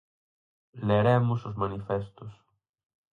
Leremos os manifestos.